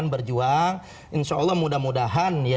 berjuang insya allah mudah mudahan